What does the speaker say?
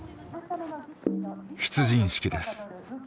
出陣式です。